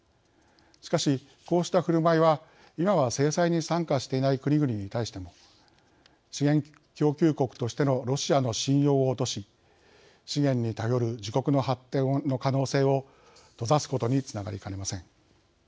しかし、こうしたふるまいは今は制裁に参加していない国々に対しても資源供給国としてのロシアの信用を落とし資源に頼る自国の発展の可能性を閉ざすことにつながりかねません。